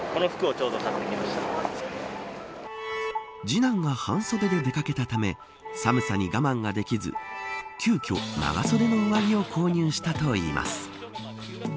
次男が半袖で出掛けたため寒さに我慢ができず急きょ、長袖の上着を購入したといいます。